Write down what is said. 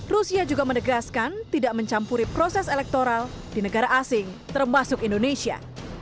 rusia juga menegaskan tidak mencampuri proses elektoral di negara asing termasuk indonesia